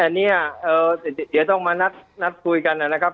แต่เนี่ยเดี๋ยวต้องมานัดคุยกันนะครับ